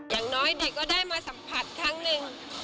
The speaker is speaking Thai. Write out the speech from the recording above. อย่างน้อยเด็กก็ได้มาสัมผัสครั้งหนึ่ง